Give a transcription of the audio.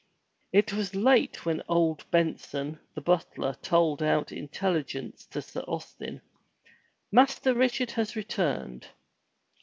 It was late when old Benson the butler tolled out intelligence to Sir Austin, "Master Richard has returned."